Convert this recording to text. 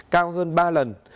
cao hơn ba lần